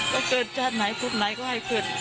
ก็เกิดชาติไหนชุดไหนก็ให้เกิด